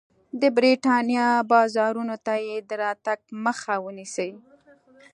د برېټانیا بازارونو ته یې د راتګ مخه ونیسي.